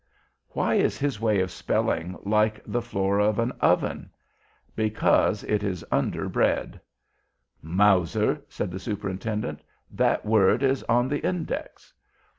"Why is his way of spelling like the floor of an oven? Because it is under bread." "Mowzer!" said the Superintendent, "that word is on the Index!"